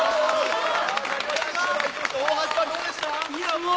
大橋さん、どうでしたか？